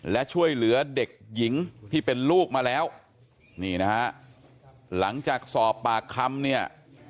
และช่วยเหลือเด็กหญิงที่เป็นลูกมาแล้วนี่นะฮะหลังจากสอบปากคำเนี่ย